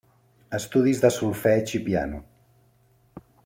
Estudis de solfeig i piano.